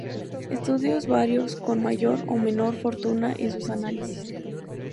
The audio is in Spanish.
Estudios varios con mayor o menor fortuna en sus análisis